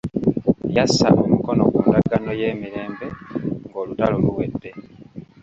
Yassa omukono ku ndagaano y'emirembe ng'olutalo luwedde .